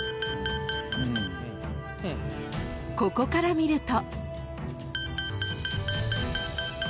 ［ここから見ると］